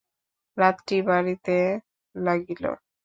রাত্রি বাড়িতে লাগিল।